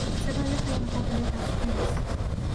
صدای غیر قابل تشخیص